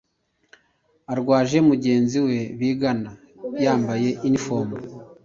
arwaje mugenzi we bigana yambaye uniforme